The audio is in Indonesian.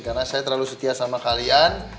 karena saya terlalu setia sama kalian